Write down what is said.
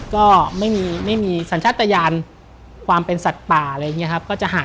ก็ไม่มีสัญชาติตะยานความเป็นสัตว์ป่า